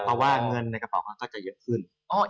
เพราะว่าเงินในกระเป๋านั้นก็จะเยอะขึ้น